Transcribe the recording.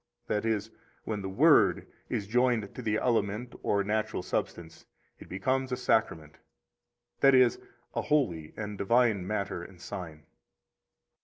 That is, when the Word is joined to the element or natural substance, it becomes a Sacrament, that is, a holy and divine matter and sign.